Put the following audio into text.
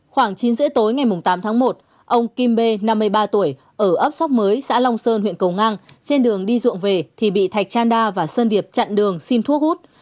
khoảng chín h ba mươi tối ngày tám tháng một ông kim b năm mươi ba tuổi ở ấp sóc mới xã long sơn huyện cầu ngang trên đường đi ruộng về thì bị thạch chan đa và sơn điệp chặn đường xin thuốc hút